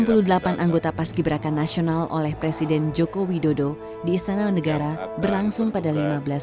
pengukuhan enam puluh delapan anggota pas gibrakan nasional oleh presiden joko widodo di istana merdeka berlangsung pada lima belas maret